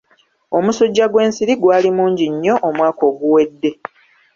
Omusajja gw'ensiri gwali mungi nnyo omwaka oguwedde.